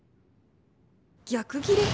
逆ギレ？